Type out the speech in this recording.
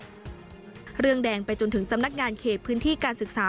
เรื่องแดงไปจนถึงสำนักงานเขตพื้นที่การศึกษา